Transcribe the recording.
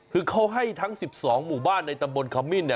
คือเขาให้ทั้ง๑๒หมู่บ้านในตำบลขมิ้น